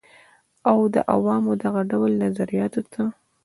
او د عوامو دغه ډول نظریاتو ته